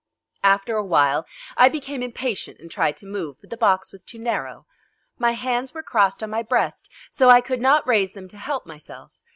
After a while I became impatient and tried to move, but the box was too narrow. My hands were crossed on my breast, so I could not raise them to help myself.